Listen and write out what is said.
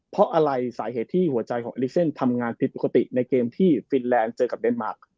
เพราะอะไรสาเหตุที่หัวใจของเอลิเซนทำงานผิดปกติในเกมที่ฟินแลนด์เจอกับเดนมาร์ค